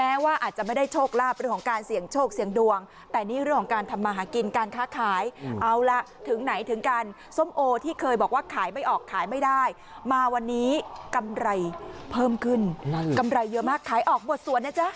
เอาละถึงไหนถึงกันส้มโอที่เคยบอกว่าขายไม่ออกขายไม่ได้มาวันนี้กำไรเพิ่มขึ้นกำไรเยอะมากขายออกหมดส่วนนะจ๊ะ